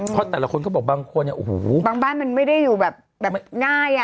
เพราะแต่ละคนก็บอกบางคนบางบ้านมันไม่ได้อยู่แบบง่าย